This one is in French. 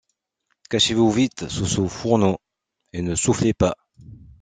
Cachez-vous vite sous ce fourneau, et ne soufflez pas.